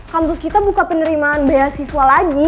kampus kita buka penerimaan beasiswa lagi